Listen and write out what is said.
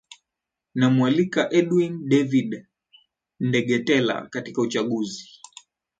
namwalika edwin david ndegetela katika uchaguzi